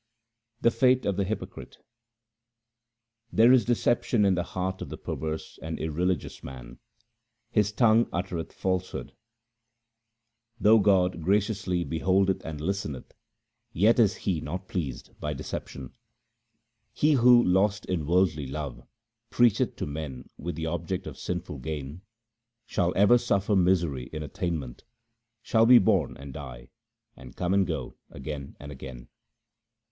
The fate of the hypocrite :— There is deception in the heart of the perverse and irre ligious man ; his tongue uttereth falsehood. 1 A man is not a Brahman merely by paternity. HYMNS OF GURU AMAR DAS 205 Though God graciously beholdeth and listeneth, yet is He not pleased by deception. He who, lost in worldly love, preacheth to men with the object of sinful gain, Shall ever suffer misery in attainment, shall be born and die, and come and go again and again.